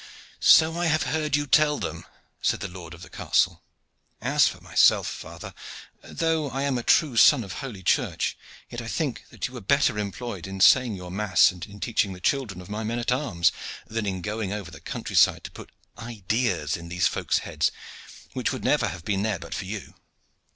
"So I have heard you tell them," said the lord of the castle; "and for myself, father, though I am a true son of holy Church, yet I think that you were better employed in saying your mass and in teaching the children of my men at arms, than in going over the country side to put ideas in these folks' heads which would never have been there but for you.